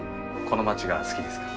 この街が好きですか？